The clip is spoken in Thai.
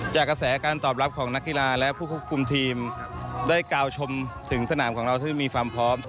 กระแสการตอบรับของนักกีฬาและผู้ควบคุมทีมได้กาวชมถึงสนามของเราที่มีความพร้อม